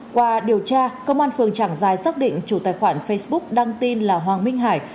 qua điều tra công an phường trảng giai xác định chủ tài khoản facebook đăng tin là hoàng minh hải